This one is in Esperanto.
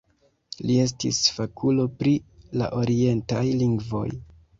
Li estis fakulo pri la orientaj lingvoj.